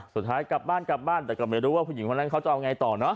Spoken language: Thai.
สุดท้ายกลับบ้านกลับบ้านแต่ก็ไม่รู้ว่าผู้หญิงคนนั้นเขาจะเอาไงต่อเนอ